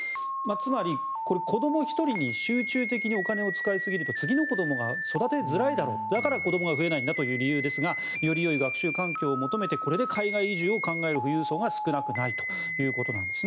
つまり、子ども１人に集中的にお金を使いすぎると次の子どもが育てづらいだろうだから子どもが増えないんだという理由ですがよりよい学習環境を求めてこれで海外移住を考える富裕層が少なくないということなんです。